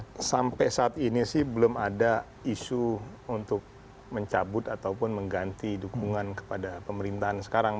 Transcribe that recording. tapi sampai saat ini sih belum ada isu untuk mencabut ataupun mengganti dukungan kepada pemerintahan sekarang